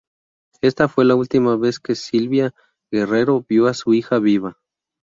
Ésta fue la última vez que Sylvia Guerrero vio a su hija viva.